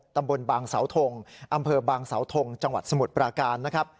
ตำบลบางเสาทงอำเภอบางเสาทงจังหวัดสมุทรประกัน